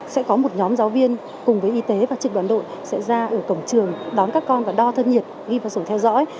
sẽ có một nhóm giáo viên cùng với y tế và trực đoàn đội sẽ ra ở cổng trường đón các con và đo thân nhiệt ghi vào sổ theo dõi